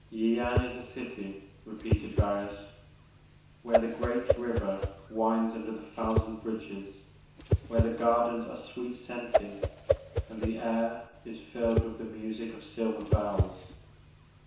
Yian is a dty, repeated Barris, "where the great river winds under the thousand bridges, — where the gardens are sweet scented, and the air is filled with the music of silver bells.